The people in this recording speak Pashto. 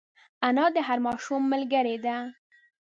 انا د هر ماشوم ملګرې ده